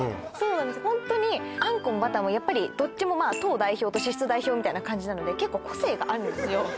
ホントにあんこもバターもやっぱりどっちも糖代表と脂質代表みたいな感じなので結構個性があるんですよ